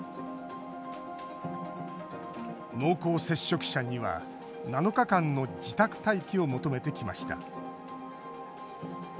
濃厚接触者には、７日間の自宅待機を求めてきました。